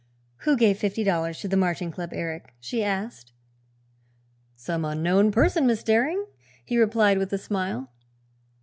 "Who gave fifty dollars to the Marching Club, Eric?" she asked. "Some unknown person, Miss Daring," he replied with a smile.